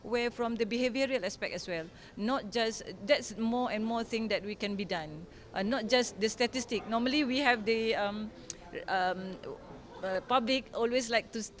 saya berharap pengetahuan kita bisa digunakan oleh pembuat kebijakan